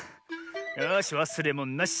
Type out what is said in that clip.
よしわすれものなし。